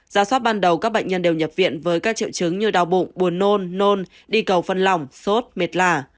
giá soát ban đầu các bệnh nhân đều nhập viện với các triệu chứng như đau bụng buồn nôn nôn đi cầu phân lỏng sốt mệt lạ